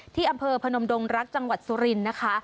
ที่อำเภอพนมดงรักจังหวัดสุรินทร์นะคะ